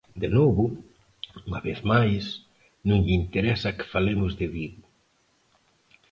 De novo, unha vez máis, non lle interesa que falemos de Vigo.